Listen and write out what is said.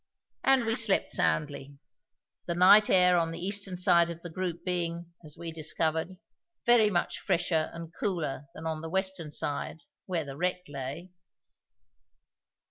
And we slept soundly, the night air on the eastern side of the group being, as we discovered, very much fresher and cooler than on the western side, where the wreck lay.